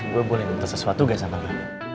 gue boleh minta sesuatu gak sama gue